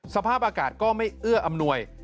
สภาพอากาศก็ไม่เอื้ออำนวย